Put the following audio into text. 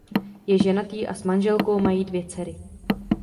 Je ženatý a s manželkou mají dvě dcery.